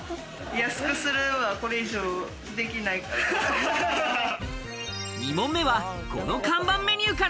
安くするのはこれ以上できないから。